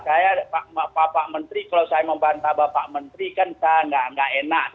saya pak menteri kalau saya membantah pak menteri kan saya tidak enak